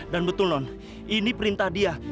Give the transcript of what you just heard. dan betul non ini perintah dia